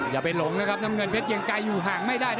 อย่าไปหลงนะครับน้ำเงินเพชรเกียงไกรอยู่ห่างไม่ได้นะ